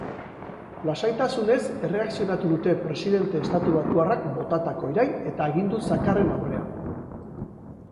Lasaitasunez erreakzionatu dute presidente estatubatuarrak botatako irain eta agindu zakarren aurrean.